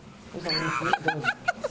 ハハハハ！